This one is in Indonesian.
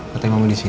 katanya mama disini